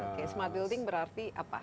oke smart building berarti apa